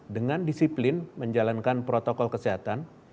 dengan disiplin menjalankan protokol kesehatan